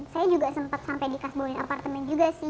saya juga sempat sampai dikasbonin apartemen juga sih